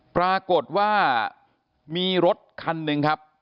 ปรากฏว่ามีรถคันหนึ่งครับ